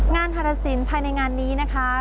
งานธรสินภายในงานนี้นะคะ